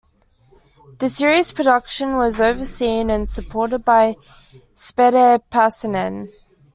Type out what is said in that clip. The series' production was overseen and supported by Spede Pasanen.